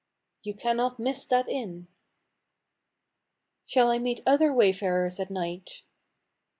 " You cannot miss that inn !"" Shall I meet other wayfarers at night